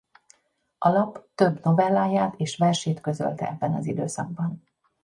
A lap több novelláját és versét közölte ebben az időszakban.